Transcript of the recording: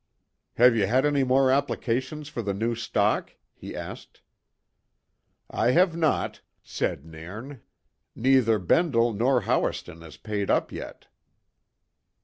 "Have you had any more applications for the new stock?" he asked. "I have not," said Nairn. "Neither Bendle nor Howiston has paid up yet."